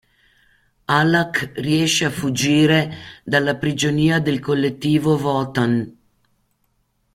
Alak riesce a fuggire dalla prigionia del Collettivo Votan.